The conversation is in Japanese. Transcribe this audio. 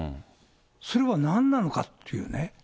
それは何なのかっていうね。